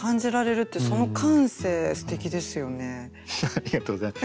ありがとうございます。